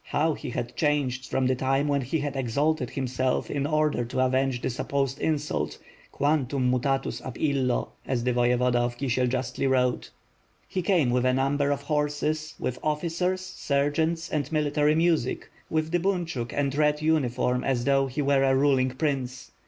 How he had changed from the time when he had exalted himself in order to avenge the supposed insult — "quantum mutatus ab illo!'' as the Voye voda of Kisiel justly wrote. He came with a number of horses, with officers, sergeants and military music, with the bunchuk and red uniform as though he were a ruling prince.